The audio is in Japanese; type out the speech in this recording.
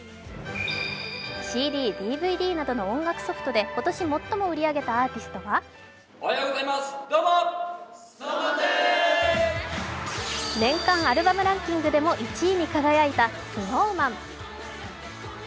ＣＤ・ＤＶＤなどの音楽ソフトで今年最も売り上げたアーティストは年間アルバムランキングでも１位に輝いたＳｎｏｗＭａｎ。